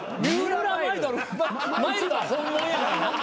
マイルドは本物やからな。